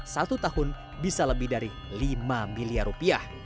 satu tahun bisa lebih dari lima miliar rupiah